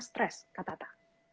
stress kata tata